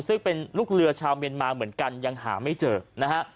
ซึ่งเป็นลูกเรือชาวเมียนมาเหมือนกันยังหาไม่เจอนะฮะ